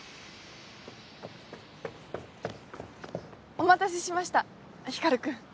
お待たせしました光君。